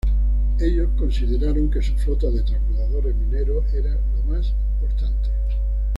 Ellos consideraron que su flota de transbordadores mineros era lo más importante.